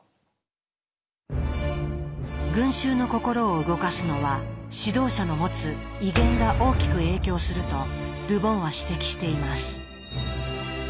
群衆の心を動かすのは指導者の持つ「威厳」が大きく影響するとル・ボンは指摘しています。